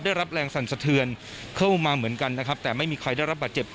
ได้รับแรงสั่นสะเทือนเข้ามาเหมือนกันนะครับแต่ไม่มีใครได้รับบาดเจ็บ